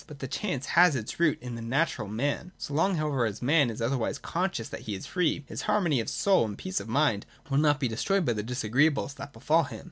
But the chance has its root in the 'natural' man. So long however as a man is otherwise conscious that he is free, his harmony of soul and peace of mind will not be destroyed by the disagreeables that befall him.